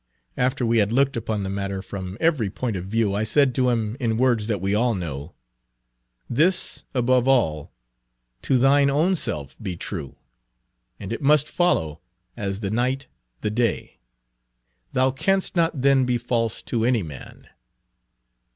After we had looked upon the matter from every point of view, I said to him, in words that we all know: 'This above all: to thine own self be true, And it must follow, as the night the day, Thou canst not then be false to any man.'